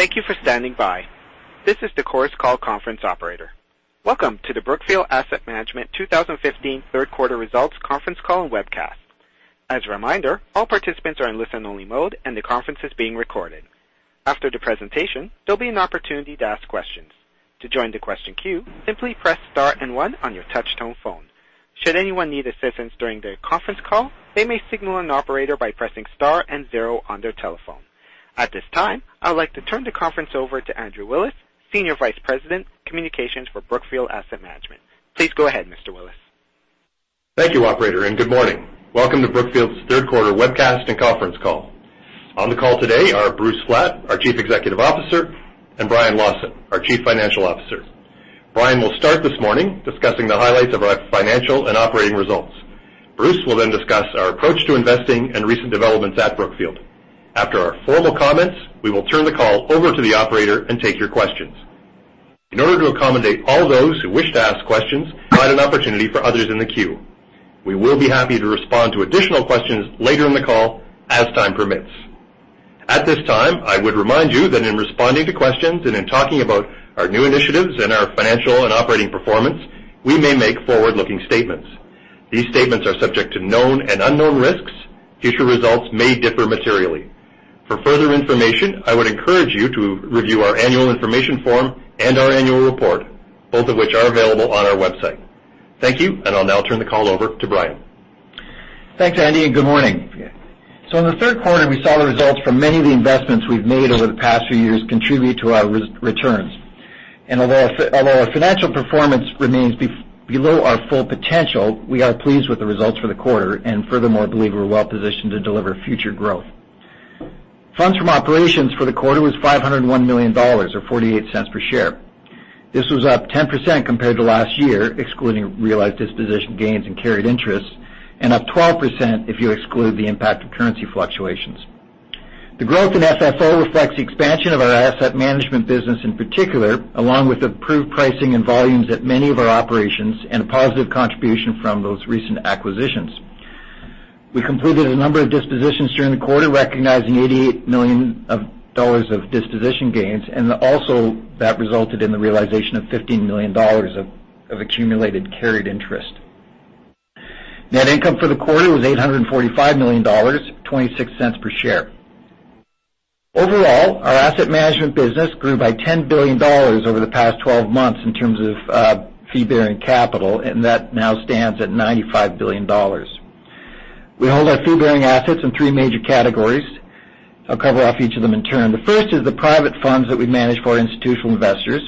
Thank you for standing by. This is the Chorus Call conference operator. Welcome to the Brookfield Asset Management 2015 third quarter results conference call and webcast. As a reminder, all participants are in listen-only mode, and the conference is being recorded. After the presentation, there will be an opportunity to ask questions. To join the question queue, simply press star and one on your touch-tone phone. Should anyone need assistance during the conference call, they may signal an operator by pressing star and zero on their telephone. At this time, I would like to turn the conference over to Andrew Willis, Senior Vice President, Communications for Brookfield Asset Management. Please go ahead, Mr. Willis. Thank you, operator. Good morning. Welcome to Brookfield's third quarter webcast and conference call. On the call today are Bruce Flatt, our Chief Executive Officer, and Brian Lawson, our Chief Financial Officer. Brian will start this morning discussing the highlights of our financial and operating results. Bruce will discuss our approach to investing and recent developments at Brookfield. After our formal comments, we will turn the call over to the operator and take your questions. In order to accommodate all those who wish to ask questions, provide an opportunity for others in the queue. We will be happy to respond to additional questions later in the call as time permits. At this time, I would remind you that in responding to questions and in talking about our new initiatives and our financial and operating performance, we may make forward-looking statements. These statements are subject to known and unknown risks. Future results may differ materially. For further information, I would encourage you to review our annual information form and our annual report, both of which are available on our website. Thank you. I will now turn the call over to Brian. Thanks, Andy. Good morning. In the third quarter, we saw the results from many of the investments we've made over the past few years contribute to our returns. Although our financial performance remains below our full potential, we are pleased with the results for the quarter and furthermore, believe we're well-positioned to deliver future growth. Funds from operations for the quarter was $501 million, or $0.48 per share. This was up 10% compared to last year, excluding realized disposition gains and carried interest, and up 12% if you exclude the impact of currency fluctuations. The growth in FFO reflects the expansion of our asset management business in particular, along with improved pricing and volumes at many of our operations and a positive contribution from those recent acquisitions. We completed a number of dispositions during the quarter, recognizing $88 million of disposition gains. Also that resulted in the realization of $15 million of accumulated carried interest. Net income for the quarter was $845 million, $0.26 per share. Overall, our asset management business grew by $10 billion over the past 12 months in terms of fee-bearing capital, and that now stands at $95 billion. We hold our fee-bearing assets in 3 major categories. I'll cover off each of them in turn. The first is the private funds that we manage for our institutional investors.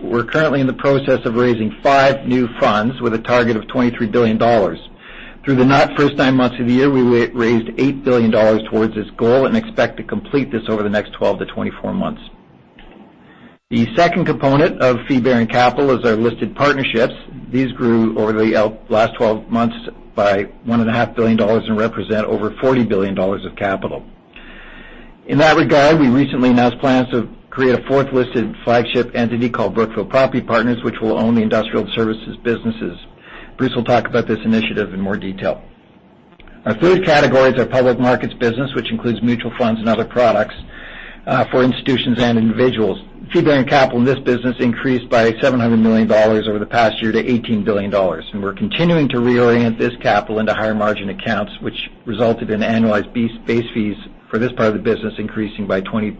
We're currently in the process of raising five new funds with a target of $23 billion. Through the first nine months of the year, we raised $8 billion towards this goal and expect to complete this over the next 12 to 24 months. The second component of fee-bearing capital is our listed partnerships. These grew over the last 12 months by $1.5 billion and represent over $40 billion of capital. In that regard, we recently announced plans to create a fourth-listed flagship entity called Brookfield Property Partners, which will own the industrial services businesses. Bruce will talk about this initiative in more detail. Our third category is our public markets business, which includes mutual funds and other products for institutions and individuals. Fee-bearing capital in this business increased by $700 million over the past year to $18 billion. We're continuing to reorient this capital into higher margin accounts, which resulted in annualized base fees for this part of the business increasing by 22%.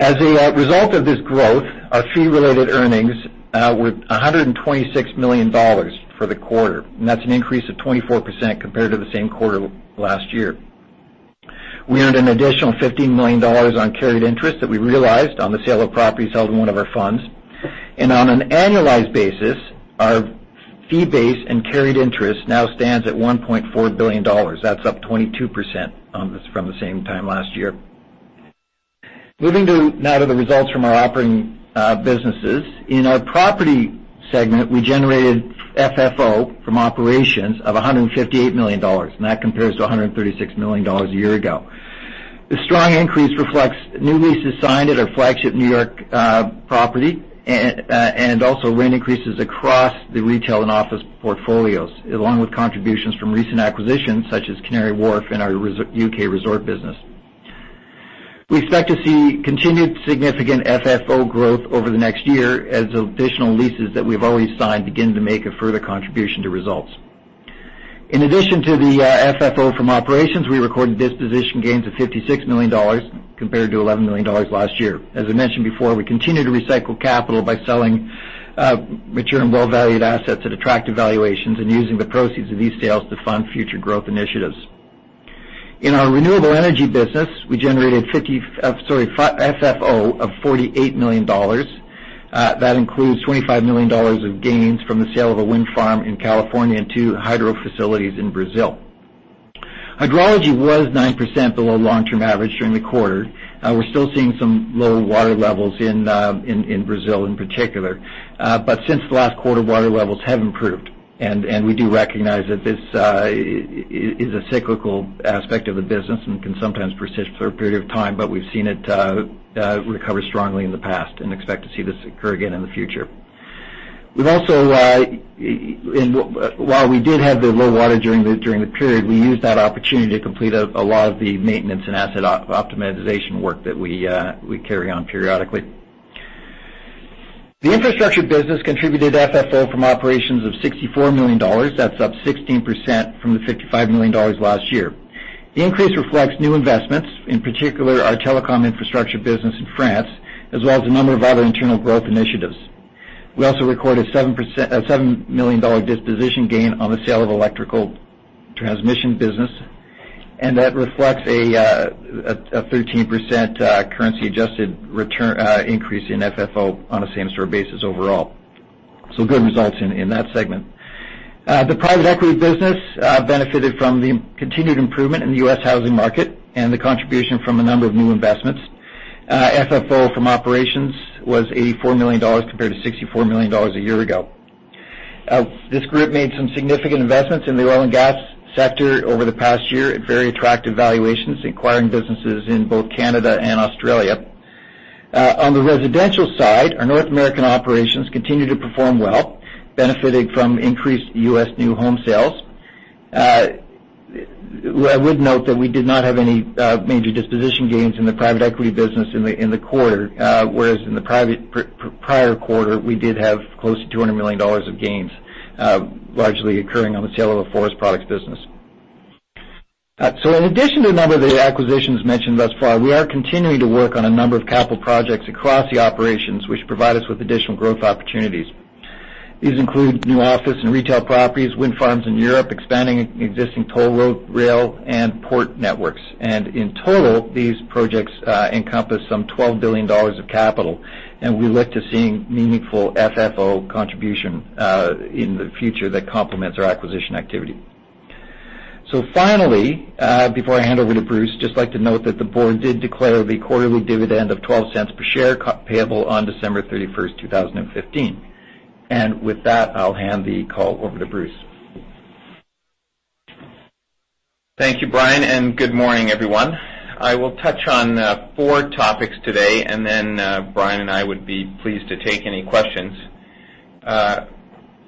As a result of this growth, our fee-related earnings were $126 million for the quarter. That's an increase of 24% compared to the same quarter last year. We earned an additional $15 million on carried interest that we realized on the sale of properties held in one of our funds. On an annualized basis, our fee base and carried interest now stands at $1.4 billion. That's up 22% from the same time last year. Moving now to the results from our operating businesses. In our property segment, we generated FFO from operations of $158 million, and that compares to $136 million a year ago. The strong increase reflects new leases signed at our flagship New York property, and also rent increases across the retail and office portfolios, along with contributions from recent acquisitions such as Canary Wharf and our U.K. resort business. We expect to see continued significant FFO growth over the next year as additional leases that we've already signed begin to make a further contribution to results. In addition to the FFO from operations, we recorded disposition gains of $56 million compared to $11 million last year. As I mentioned before, we continue to recycle capital by selling mature and well-valued assets at attractive valuations and using the proceeds of these sales to fund future growth initiatives. In our renewable energy business, we generated FFO of $48 million. That includes $25 million of gains from the sale of a wind farm in California and two hydro facilities in Brazil. Hydrology was 9% below long-term average during the quarter. We're still seeing some low water levels in Brazil in particular. Since the last quarter, water levels have improved, and we do recognize that this is a cyclical aspect of the business and can sometimes persist for a period of time. We've seen it recover strongly in the past and expect to see this occur again in the future. We've also. While we did have the low water during the period, we used that opportunity to complete a lot of the maintenance and asset optimization work that we carry on periodically. The infrastructure business contributed FFO from operations of $64 million. That's up 16% from the $55 million last year. The increase reflects new investments, in particular, our telecom infrastructure business in France, as well as a number of other internal growth initiatives. We also recorded a $7 million disposition gain on the sale of electrical transmission business, and that reflects a 13% currency-adjusted increase in FFO on a same-store basis overall. Good results in that segment. The private equity business benefited from the continued improvement in the U.S. housing market and the contribution from a number of new investments. FFO from operations was $84 million compared to $64 million a year ago. This group made some significant investments in the oil and gas sector over the past year at very attractive valuations, acquiring businesses in both Canada and Australia. On the residential side, our North American operations continue to perform well, benefiting from increased U.S. new home sales. I would note that we did not have any major disposition gains in the private equity business in the quarter. Whereas in the prior quarter, we did have close to $200 million of gains, largely occurring on the sale of the forest products business. In addition to a number of the acquisitions mentioned thus far, we are continuing to work on a number of capital projects across the operations, which provide us with additional growth opportunities. These include new office and retail properties, wind farms in Europe, expanding existing toll road, rail, and port networks. In total, these projects encompass some $12 billion of capital, and we look to seeing meaningful FFO contribution in the future that complements our acquisition activity. Finally, before I hand over to Bruce, just like to note that the board did declare the quarterly dividend of $0.12 per share payable on December 31st, 2015. With that, I'll hand the call over to Bruce. Thank you, Brian, and good morning, everyone. I will touch on four topics today, and then Brian and I would be pleased to take any questions.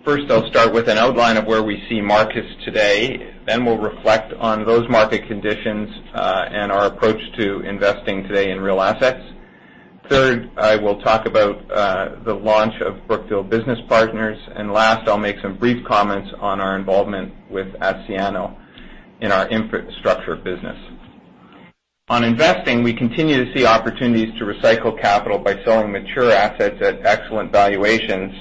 First, I'll start with an outline of where we see markets today. We'll reflect on those market conditions, and our approach to investing today in real assets. Third, I will talk about the launch of Brookfield Business Partners. Last, I'll make some brief comments on our involvement with Asciano in our infrastructure business. On investing, we continue to see opportunities to recycle capital by selling mature assets at excellent valuations,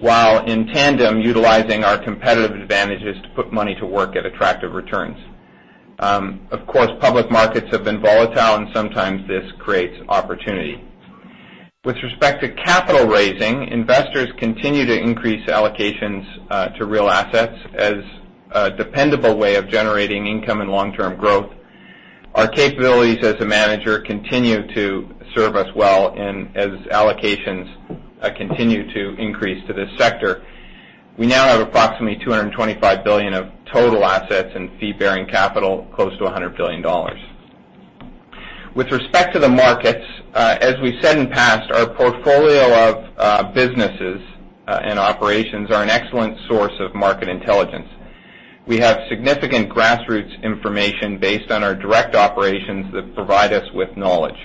while in tandem utilizing our competitive advantages to put money to work at attractive returns. Of course, public markets have been volatile and sometimes this creates opportunity. With respect to capital raising, investors continue to increase allocations to real assets as a dependable way of generating income and long-term growth. Our capabilities as a manager continue to serve us well as allocations continue to increase to this sector. We now have approximately $225 billion of total assets and fee-bearing capital close to $100 billion. With respect to the markets, as we've said in the past, our portfolio of businesses and operations are an excellent source of market intelligence. We have significant grassroots information based on our direct operations that provide us with knowledge.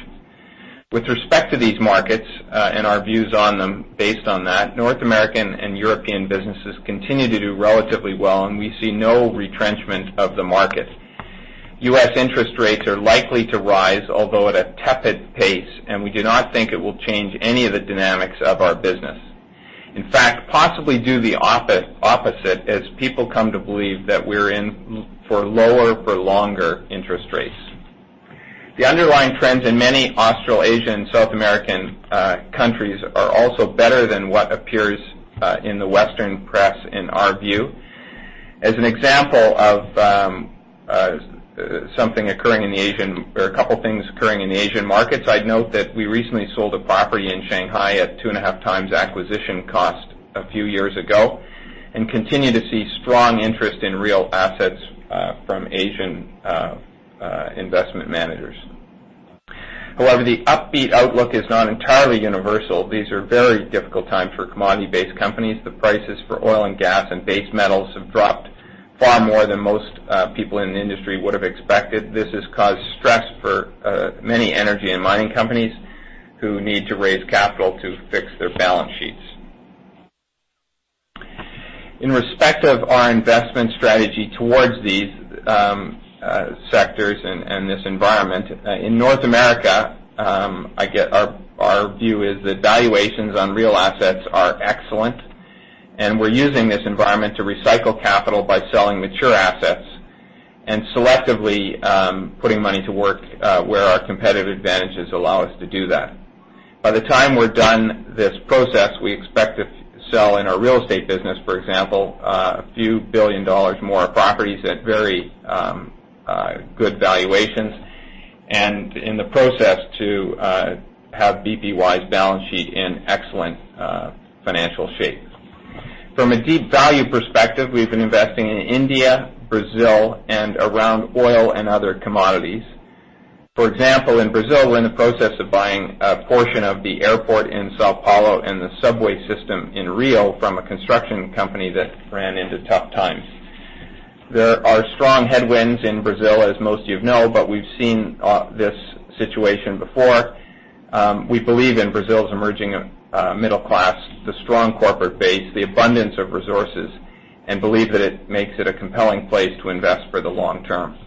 With respect to these markets, and our views on them based on that, North American and European businesses continue to do relatively well, and we see no retrenchment of the market. U.S. interest rates are likely to rise, although at a tepid pace, and we do not think it will change any of the dynamics of our business. Possibly do the opposite as people come to believe that we're in for lower, for longer interest rates. The underlying trends in many Australasian, South American countries are also better than what appears in the Western press, in our view. As an example of something occurring in the Asian markets, I'd note that we recently sold a property in Shanghai at two and a half times acquisition cost a few years ago, and continue to see strong interest in real assets from Asian investment managers. The upbeat outlook is not entirely universal. These are very difficult times for commodity-based companies. The prices for oil and gas and base metals have dropped far more than most people in the industry would have expected. This has caused stress for many energy and mining companies who need to raise capital to fix their balance sheets. In respect of our investment strategy towards these sectors and this environment, in North America, our view is that valuations on real assets are excellent, and we're using this environment to recycle capital by selling mature assets and selectively putting money to work where our competitive advantages allow us to do that. By the time we're done this process, we expect to sell in our real estate business, for example, a few billion dollars more of properties at very good valuations. In the process to have BPY's balance sheet in excellent financial shape. From a deep value perspective, we've been investing in India, Brazil, and around oil and other commodities. For example, in Brazil, we're in the process of buying a portion of the airport in São Paulo and the subway system in Rio from a construction company that ran into tough times. There are strong headwinds in Brazil, as most of you know, we've seen this situation before. We believe in Brazil's emerging middle class, the strong corporate base, the abundance of resources, believe that it makes it a compelling place to invest for the long term.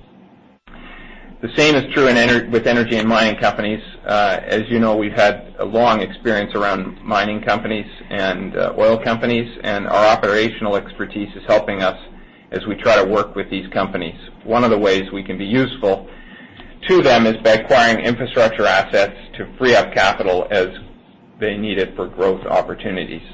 The same is true with energy and mining companies. As you know, we've had a long experience around mining companies and oil companies, and our operational expertise is helping us as we try to work with these companies. One of the ways we can be useful to them is by acquiring infrastructure assets to free up capital as they need it for growth opportunities.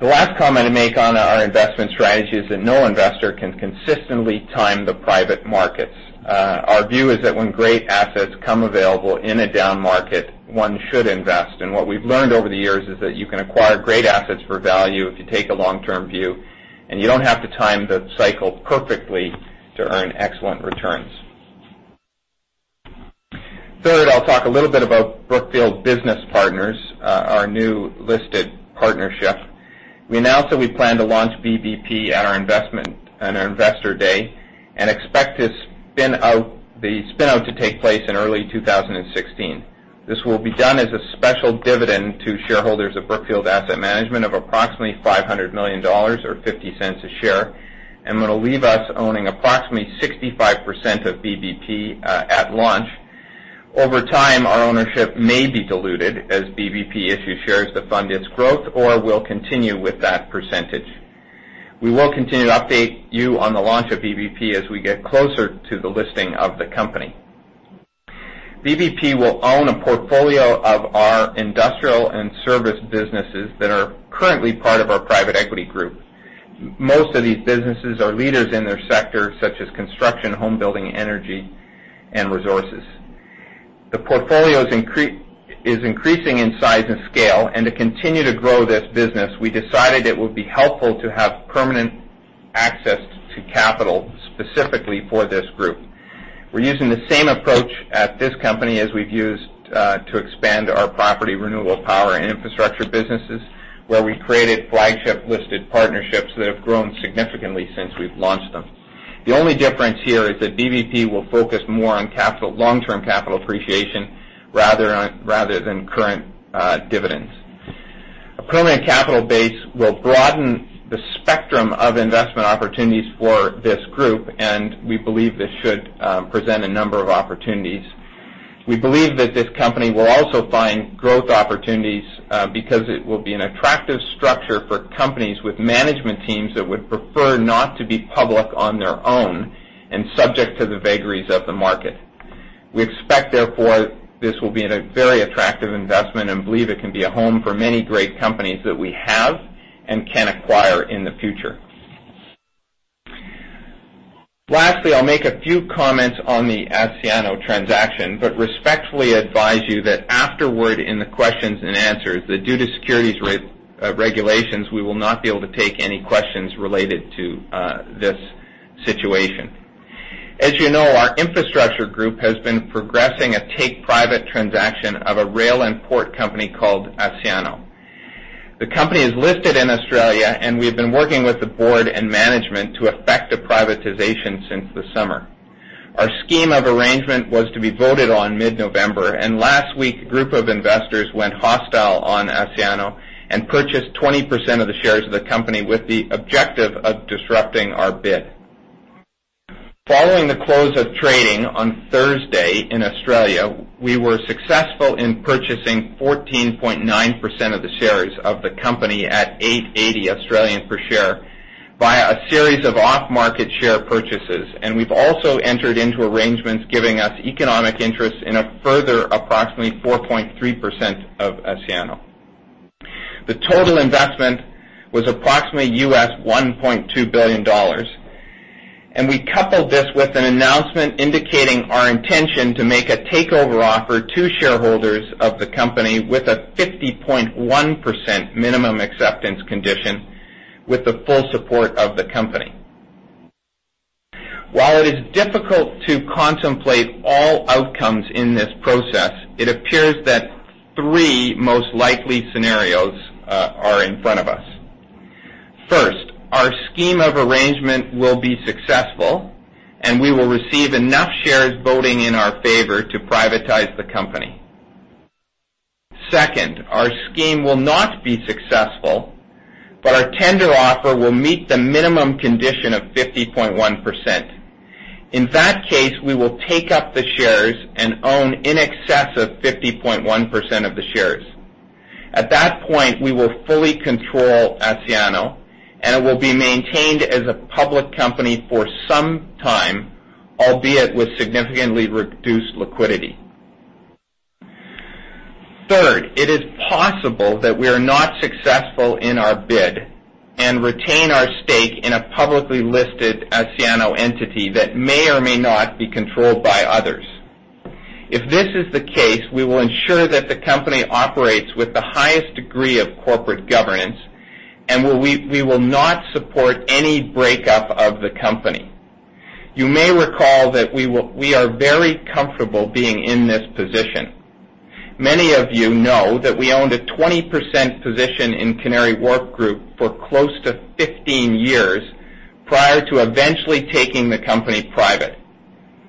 The last comment I make on our investment strategy is that no investor can consistently time the private markets. Our view is that when great assets come available in a down market, one should invest. What we've learned over the years is that you can acquire great assets for value if you take a long-term view. You don't have to time the cycle perfectly to earn excellent returns. Third, I'll talk a little bit about Brookfield Business Partners, our new listed partnership. We announced that we plan to launch BBU at our Investor Day and expect the spin-out to take place in early 2016. This will be done as a special dividend to shareholders of Brookfield Asset Management of approximately $500 million, or $0.50 a share, and will leave us owning approximately 65% of BBU at launch. Over time, our ownership may be diluted as BBU issues shares to fund its growth, or we'll continue with that percentage. We will continue to update you on the launch of BBU as we get closer to the listing of the company. BBU will own a portfolio of our industrial and service businesses that are currently part of our private equity group. Most of these businesses are leaders in their sector, such as construction, home building, energy, and resources. The portfolio is increasing in size and scale. To continue to grow this business, we decided it would be helpful to have permanent access to capital specifically for this group. We're using the same approach at this company as we've used to expand our property, renewable power, and infrastructure businesses, where we created flagship listed partnerships that have grown significantly since we've launched them. The only difference here is that BBU will focus more on long-term capital appreciation rather than current dividends. A permanent capital base will broaden the spectrum of investment opportunities for this group, and we believe this should present a number of opportunities. We believe that this company will also find growth opportunities because it will be an attractive structure for companies with management teams that would prefer not to be public on their own and subject to the vagaries of the market. We expect, therefore, this will be a very attractive investment and believe it can be a home for many great companies that we have and can acquire in the future. Lastly, I'll make a few comments on the Asciano transaction, but respectfully advise you that afterward in the questions and answers that due to securities regulations, we will not be able to take any questions related to this situation. As you know, our infrastructure group has been progressing a take-private transaction of a rail and port company called Asciano. The company is listed in Australia, and we've been working with the board and management to effect a privatization since the summer. Our scheme of arrangement was to be voted on mid-November. Last week, a group of investors went hostile on Asciano and purchased 20% of the shares of the company with the objective of disrupting our bid. Following the close of trading on Thursday in Australia, we were successful in purchasing 14.9% of the shares of the company at 8.80 per share via a series of off-market share purchases. We've also entered into arrangements giving us economic interest in a further approximately 4.3% of Asciano. The total investment was approximately $1.2 billion. We coupled this with an announcement indicating our intention to make a takeover offer to shareholders of the company with a 50.1% minimum acceptance condition with the full support of the company. While it is difficult to contemplate all outcomes in this process, it appears that three most likely scenarios are in front of us. First, our scheme of arrangement will be successful, and we will receive enough shares voting in our favor to privatize the company. Second, our scheme will not be successful, our tender offer will meet the minimum condition of 50.1%. In that case, we will take up the shares and own in excess of 50.1% of the shares. At that point, we will fully control Asciano, and it will be maintained as a public company for some time, albeit with significantly reduced liquidity. Third, it is possible that we are not successful in our bid and retain our stake in a publicly listed Asciano entity that may or may not be controlled by others. If this is the case, we will ensure that the company operates with the highest degree of corporate governance. We will not support any breakup of the company. You may recall that we are very comfortable being in this position. Many of you know that we owned a 20% position in Canary Wharf Group for close to 15 years, prior to eventually taking the company private.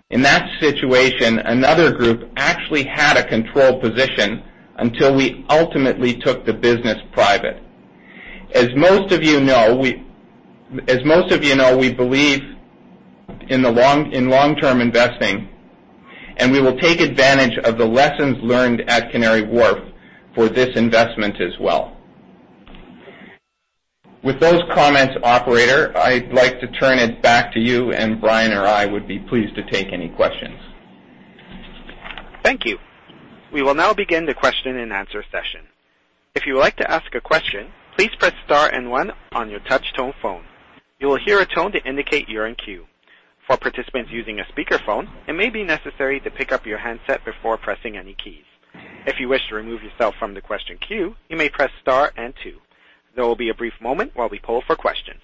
In that situation, another group actually had a control position until we ultimately took the business private. As most of you know, we believe in long-term investing, and we will take advantage of the lessons learned at Canary Wharf for this investment as well. With those comments, operator, I'd like to turn it back to you, Brian or I would be pleased to take any questions. Thank you. We will now begin the question and answer session. If you would like to ask a question, please press star and one on your touch tone phone. You will hear a tone to indicate you're in queue. For participants using a speaker phone, it may be necessary to pick up your handset before pressing any keys. If you wish to remove yourself from the question queue, you may press star and two. There will be a brief moment while we poll for questions.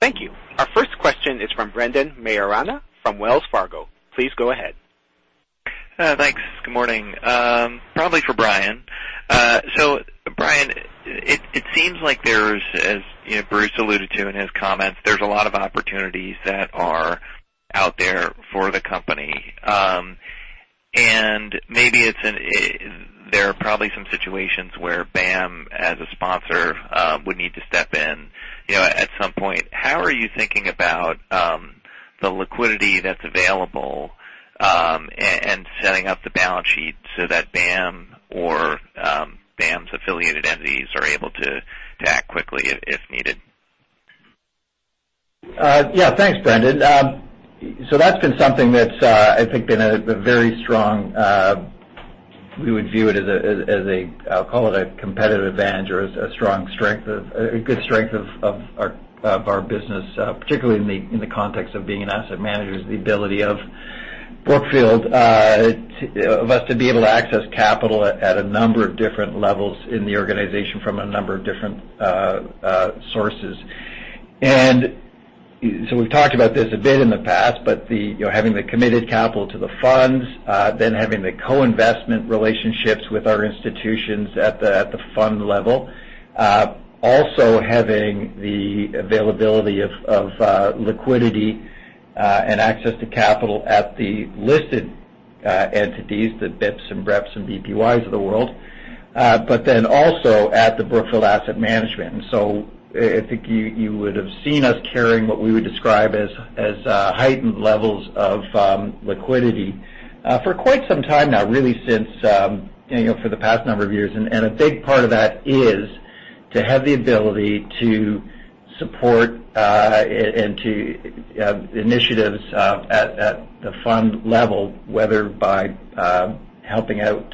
Thank you. Our first question is from Brendan Maiorana from Wells Fargo. Please go ahead. Thanks. Good morning. Brian, it seems like as Bruce alluded to in his comments, there's a lot of opportunities that are out there for the company. Maybe there are probably some situations where BAM, as a sponsor, would need to step in at some point. How are you thinking about the liquidity that's available and setting up the balance sheet so that BAM or BAM's affiliated entities are able to act quickly if needed? Yeah. Thanks, Brendan. That's been something that's, I think, been a competitive advantage or a good strength of our business, particularly in the context of being an asset manager, is the ability of Brookfield, of us to be able to access capital at a number of different levels in the organization from a number of different sources. We've talked about this a bit in the past, but having the committed capital to the funds, then having the co-investment relationships with our institutions at the fund level. Also having the availability of liquidity and access to capital at the listed entities, the BIP and BEP and BPYs of the world, but then also at the Brookfield Asset Management. I think you would've seen us carrying what we would describe as heightened levels of liquidity for quite some time now, really for the past number of years. A big part of that is to have the ability to support initiatives at the fund level, whether by helping out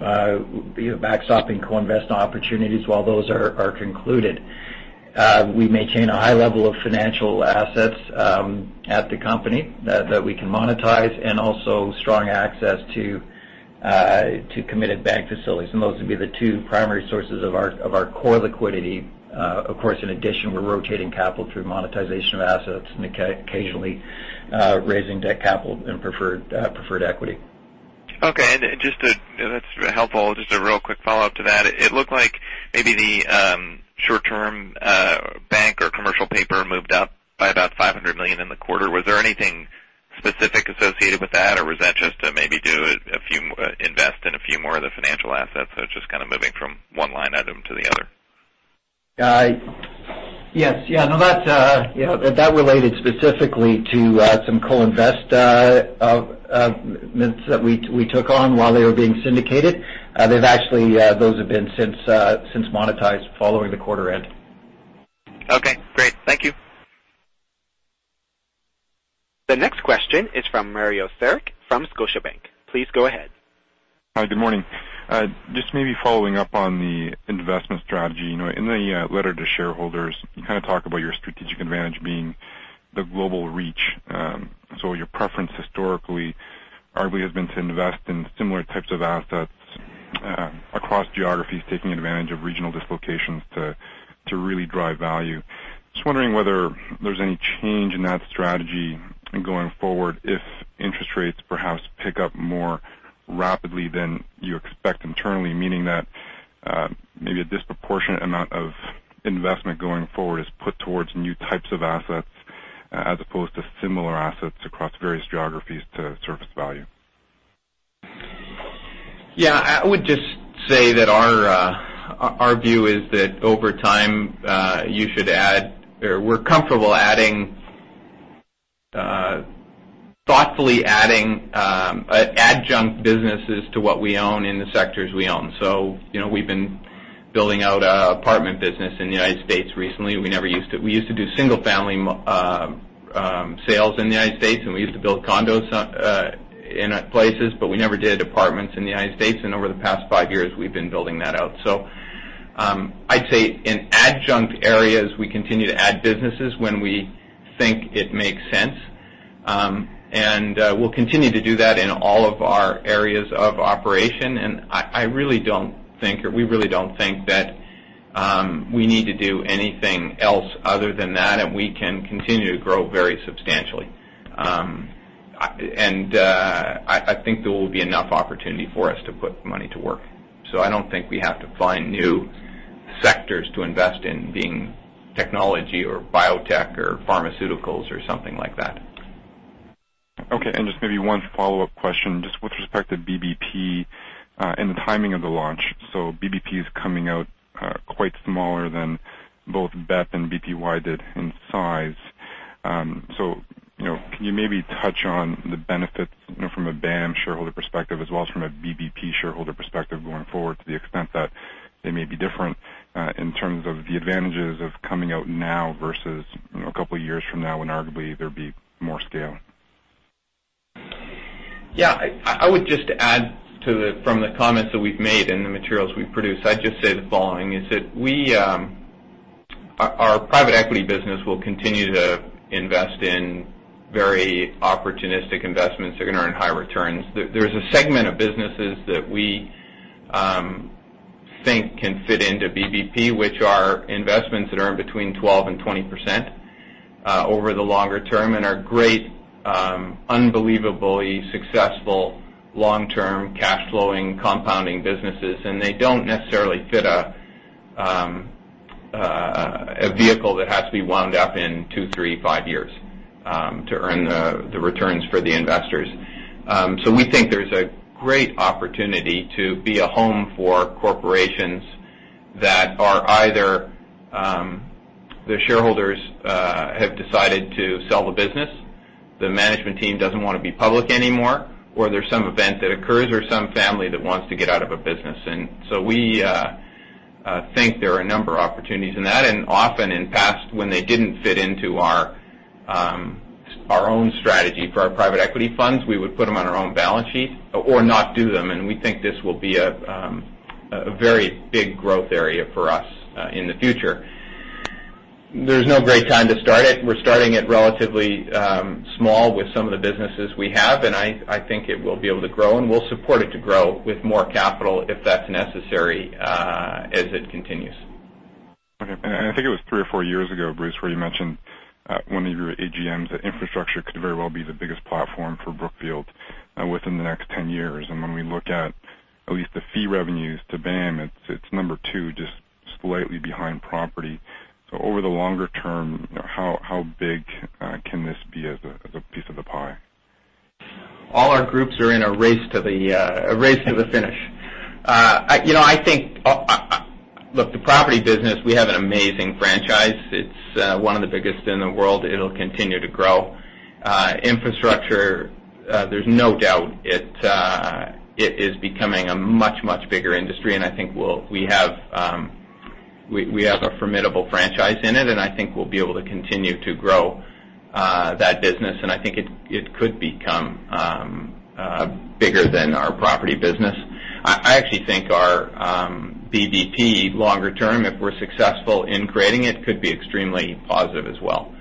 backstopping co-invest opportunities while those are concluded. We maintain a high level of financial assets at the company that we can monetize, and also strong access to committed bank facilities. Those would be the two primary sources of our core liquidity. Of course, in addition, we're rotating capital through monetization of assets and occasionally raising debt capital in preferred equity. Okay. That's helpful. Just a real quick follow-up to that. It looked like maybe the short-term bank or commercial paper moved up by about $500 million in the quarter. Was there anything specific associated with that, or was that just to maybe invest in a few more of the financial assets, so it's just kind of moving from one line item to the other? Yes. That related specifically to some co-investments that we took on while they were being syndicated. Those have been since monetized following the quarter end. Okay, great. Thank you. The next question is from Mario Saric from Scotiabank. Please go ahead. Hi, good morning. Maybe following up on the investment strategy. In the letter to shareholders, you kind of talk about your strategic advantage being the global reach. Your preference historically, arguably, has been to invest in similar types of assets across geographies, taking advantage of regional dislocations to really drive value. Just wondering whether there's any change in that strategy going forward if interest rates perhaps pick up more rapidly than you expect internally, meaning that maybe a disproportionate amount of investment going forward is put towards new types of assets as opposed to similar assets across various geographies to surface value. Yeah. I would just say that our view is that over time, we're comfortable thoughtfully adding adjunct businesses to what we own in the sectors we own. We've been building out an apartment business in the United States recently. We used to do single family sales in the United States, we used to build condos in places, but we never did apartments in the United States. Over the past five years, we've been building that out. I'd say in adjunct areas, we continue to add businesses when we think it makes sense. We'll continue to do that in all of our areas of operation. We really don't think that we need to do anything else other than that, and we can continue to grow very substantially. I think there will be enough opportunity for us to put money to work. I don't think we have to find new sectors to invest in, being technology or biotech or pharmaceuticals or something like that. Okay. Just maybe one follow-up question, just with respect to BBU and the timing of the launch. BBU is coming out quite smaller than both BEP and BPY did in size. Can you maybe touch on the benefits from a BAM shareholder perspective as well as from a BBU shareholder perspective going forward to the extent that they may be different in terms of the advantages of coming out now versus a couple of years from now when arguably there'd be more scale? Yeah. I would just add from the comments that we've made and the materials we've produced. I'd just say the following, is that our private equity business will continue to invest in very opportunistic investments that are going to earn high returns. There's a segment of businesses that we think can fit into BBU, which are investments that earn between 12% and 20% over the longer term and are great, unbelievably successful, long-term, cash-flowing, compounding businesses. They don't necessarily fit a vehicle that has to be wound up in two, three, five years to earn the returns for the investors. We think there's a great opportunity to be a home for corporations that are either the shareholders have decided to sell the business, the management team doesn't want to be public anymore, or there's some event that occurs, or some family that wants to get out of a business. We think there are a number of opportunities in that. Often in the past, when they didn't fit into our own strategy for our private equity funds, we would put them on our own balance sheet or not do them. We think this will be a very big growth area for us in the future. There's no great time to start it. We're starting it relatively small with some of the businesses we have, and I think it will be able to grow, and we'll support it to grow with more capital if that's necessary as it continues. Okay. I think it was three or four years ago, Bruce, where you mentioned at one of your AGMs that infrastructure could very well be the biggest platform for Brookfield within the next 10 years. When we look at least the fee revenues to BAM, it's number two, just slightly behind property. Over the longer term, how big can this be as a piece of the pie? All our groups are in a race to the finish. Look, the property business, we have an amazing franchise. It's one of the biggest in the world. It'll continue to grow. Infrastructure, there's no doubt it is becoming a much, much bigger industry, and I think we have a formidable franchise in it, and I think we'll be able to continue to grow that business. I think it could become bigger than our property business. I actually think our BBU, longer term, if we're successful in creating it, could be extremely positive as well.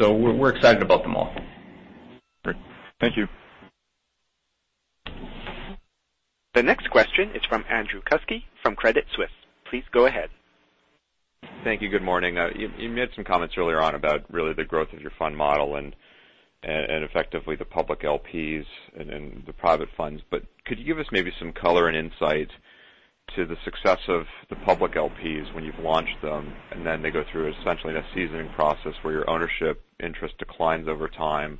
We're excited about them all. Great. Thank you. The next question is from Andrew Kuske from Credit Suisse. Please go ahead. Thank you. Good morning. You made some comments earlier on about really the growth of your fund model and effectively the public LPs and the private funds. Could you give us maybe some color and insight to the success of the public LPs when you've launched them, and then they go through essentially that seasoning process where your ownership interest declines over time.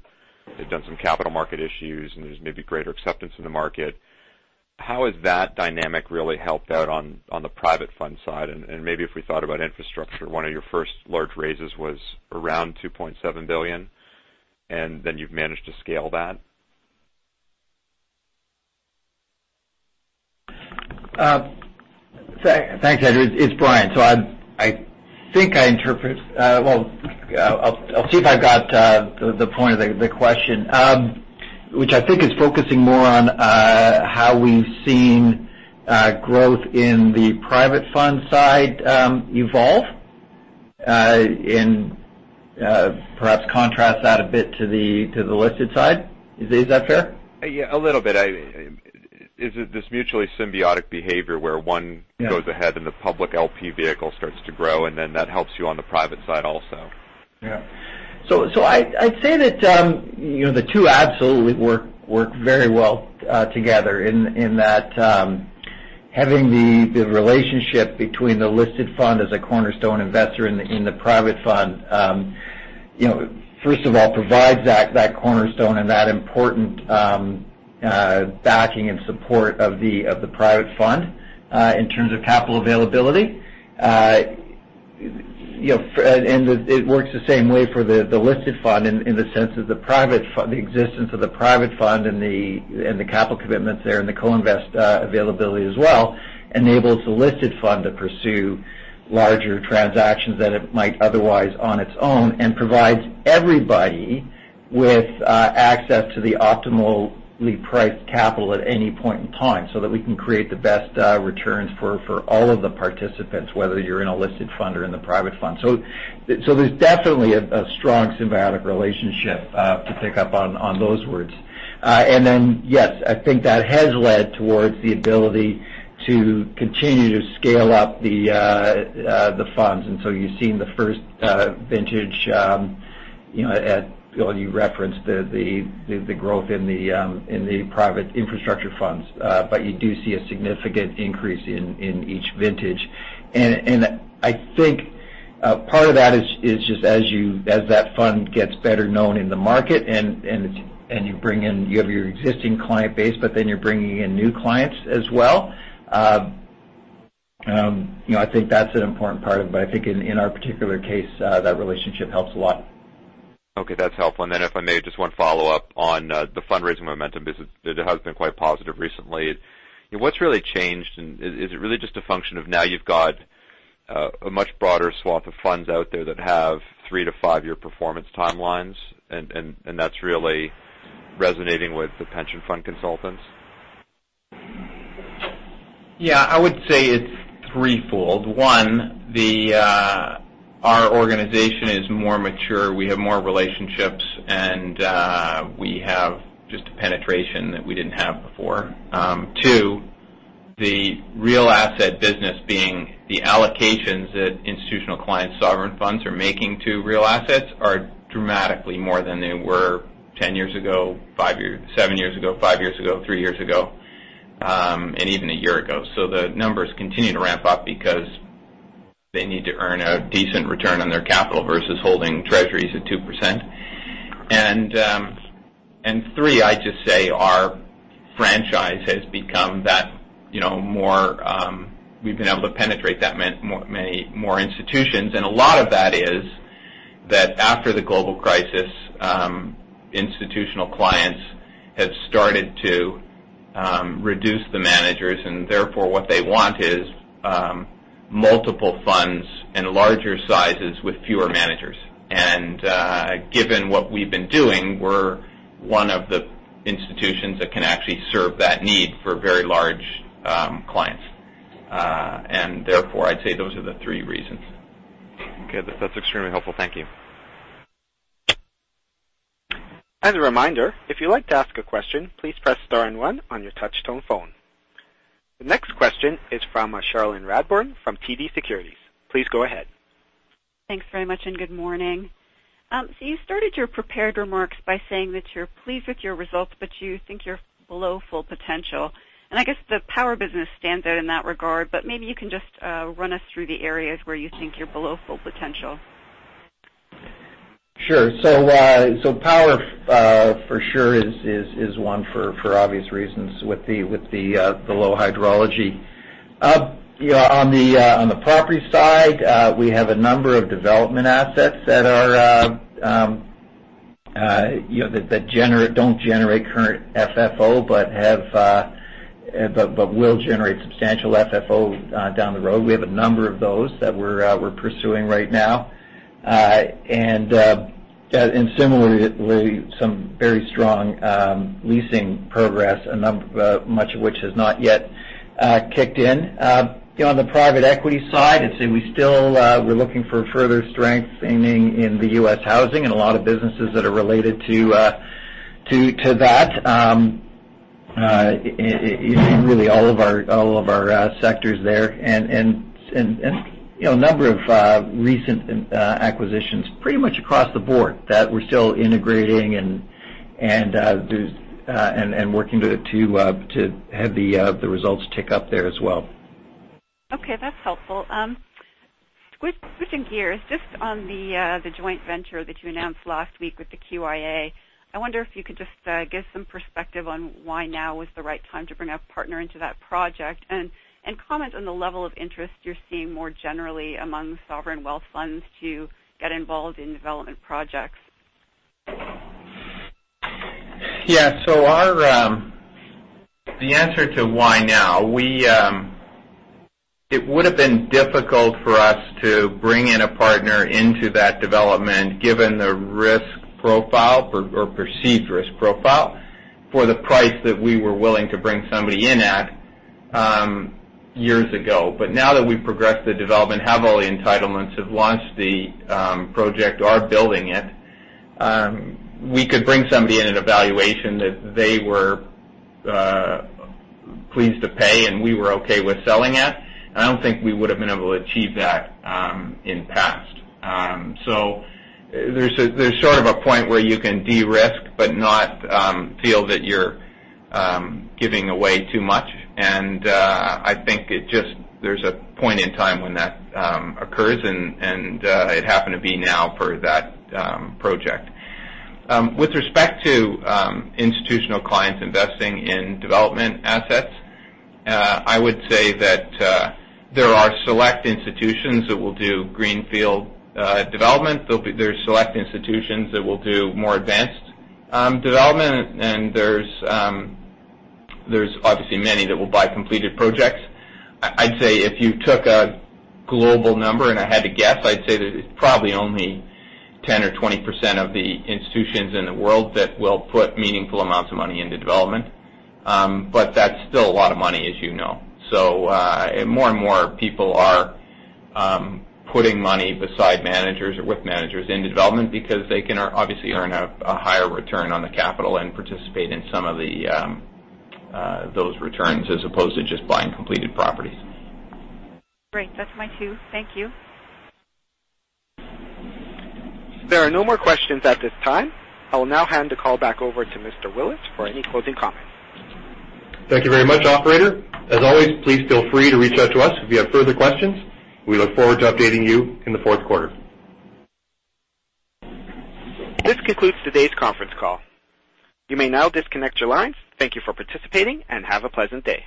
They've done some capital market issues, and there's maybe greater acceptance in the market. How has that dynamic really helped out on the private fund side? Maybe if we thought about infrastructure, one of your first large raises was around $2.7 billion, and then you've managed to scale that. Thanks, Andrew. It's Brian. Well, I'll see if I've got the point of the question, which I think is focusing more on how we've seen growth in the private fund side evolve in perhaps contrast that a bit to the listed side. Is that fair? A little bit. Is it this mutually symbiotic behavior where one goes ahead and the public LP vehicle starts to grow, and then that helps you on the private side also? I'd say that the two absolutely work very well together in that having the relationship between the listed fund as a cornerstone investor in the private fund first of all provides that cornerstone and that important backing and support of the private fund in terms of capital availability. It works the same way for the listed fund in the sense of the existence of the private fund and the capital commitments there and the co-invest availability as well enables the listed fund to pursue larger transactions than it might otherwise on its own and provides everybody with access to the optimally priced capital at any point in time so that we can create the best returns for all of the participants, whether you're in a listed fund or in the private fund. There's definitely a strong symbiotic relationship to pick up on those words. Yes, I think that has led towards the ability to continue to scale up the funds. You've seen the first vintage, as you referenced the growth in the private infrastructure funds. You do see a significant increase in each vintage. I think part of that is just as that fund gets better known in the market, and you have your existing client base, but then you're bringing in new clients as well. I think that's an important part of it, but I think in our particular case, that relationship helps a lot. Okay, that's helpful. If I may, just one follow-up on the fundraising momentum, because it has been quite positive recently. What's really changed, and is it really just a function of now you've got a much broader swath of funds out there that have three to five-year performance timelines, and that's really resonating with the pension fund consultants? Yeah, I would say it's threefold. One, our organization is more mature. We have more relationships, and we have just a penetration that we didn't have before. Two, the real asset business being the allocations that institutional clients, sovereign funds are making to real assets are dramatically more than they were 10 years ago, seven years ago, five years ago, three years ago, and even a year ago. The numbers continue to ramp up because they need to earn a decent return on their capital versus holding treasuries at 2%. Three, I'd just say our franchise has become that more-- we've been able to penetrate that many more institutions. A lot of that is that after the global crisis, institutional clients have started to reduce the managers, and therefore what they want is multiple funds in larger sizes with fewer managers. Given what we've been doing, we're one of the institutions that can actually serve that need for very large clients. Therefore, I'd say those are the three reasons. Okay. That's extremely helpful. Thank you. As a reminder, if you'd like to ask a question, please press star and one on your touchtone phone. The next question is from Cherilyn Radbourne from TD Securities. Please go ahead. Thanks very much, and good morning. You started your prepared remarks by saying that you're pleased with your results, but you think you're below full potential. I guess the power business stands out in that regard, but maybe you can just run us through the areas where you think you're below full potential. Sure. Power for sure is one for obvious reasons with the low hydrology. On the property side, we have a number of development assets that don't generate current FFO but will generate substantial FFO down the road. We have a number of those that we're pursuing right now. Similarly, some very strong leasing progress, much of which has not yet kicked in. On the private equity side, I'd say we still we're looking for further strengthening in the U.S. housing and a lot of businesses that are related to that. In really all of our sectors there. A number of recent acquisitions pretty much across the board that we're still integrating and working to have the results tick up there as well. Okay, that's helpful. Switching gears, just on the joint venture that you announced last week with the QIA. I wonder if you could just give some perspective on why now was the right time to bring a partner into that project, and comment on the level of interest you're seeing more generally among sovereign wealth funds to get involved in development projects. Yeah. The answer to why now, it would've been difficult for us to bring in a partner into that development given the risk profile or perceived risk profile for the price that we were willing to bring somebody in at years ago. Now that we've progressed the development, have all the entitlements, have launched the project, are building it, we could bring somebody in at a valuation that they were pleased to pay and we were okay with selling at. I don't think we would've been able to achieve that in the past. There's sort of a point where you can de-risk but not feel that you're giving away too much. I think there's a point in time when that occurs, and it happened to be now for that project. With respect to institutional clients investing in development assets, I would say that there are select institutions that will do greenfield development. There's select institutions that will do more advanced development, and there's obviously many that will buy completed projects. I'd say if you took a global number and I had to guess, I'd say that it's probably only 10 or 20% of the institutions in the world that will put meaningful amounts of money into development. That's still a lot of money as you know. More and more people are putting money beside managers or with managers in development because they can obviously earn a higher return on the capital and participate in some of those returns as opposed to just buying completed properties. Great. That's my cue. Thank you. There are no more questions at this time. I will now hand the call back over to Mr. Willis for any closing comments. Thank you very much, operator. As always, please feel free to reach out to us if you have further questions. We look forward to updating you in the fourth quarter. This concludes today's conference call. You may now disconnect your lines. Thank you for participating, and have a pleasant day.